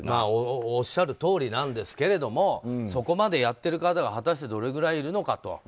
おっしゃるとおりなんですがそこまでやっている方が果たしてどれぐらいいるのかと。